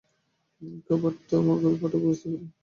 খাবারটা আমার ঘরে পাঠাবার ব্যবস্থা করবেন?